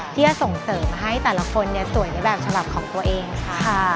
ที่จะส่งเสริมให้แต่ละคนสวยในแบบฉบับของตัวเองค่ะ